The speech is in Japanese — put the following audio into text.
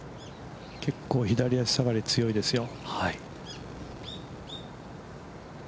結構左足下がり強いですよ。